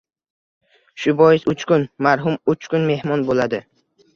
Shu bois — uch kun! Marhum uch kun mehmon bo‘ladi.